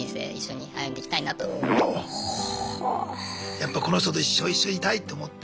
やっぱこの人と一生一緒にいたいって思って。